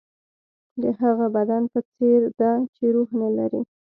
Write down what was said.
د هغه بدن په څېر ده چې روح نه لري.